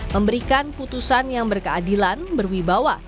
memberikan putusan yang berkeadilan berwibawa